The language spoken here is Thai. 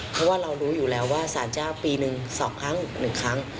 เพราะว่าเรารู้อยู่แล้วว่าสารเจ้าปีหนึ่ง๒ครั้ง๑ครั้ง